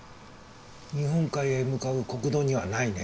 日本海へ向かう国道にはないね。